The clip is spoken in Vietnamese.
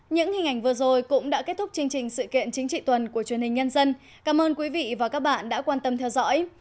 những hình ảnh vừa rồi cũng đã kết thúc chương trình sự kiện chính trị tuần của truyền hình nhân dân cảm ơn quý vị và các bạn đã quan tâm theo dõi